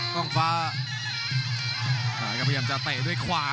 กรุงฝาพัดจินด้า